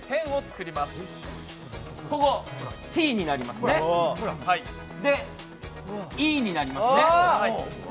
ここがＴになりますね、Ｅになりますね。